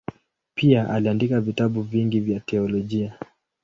Pia aliandika vitabu vingi vya teolojia.